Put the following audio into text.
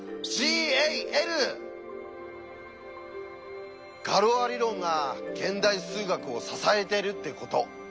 ガロア理論が現代数学を支えてるってことよく分かりますよね。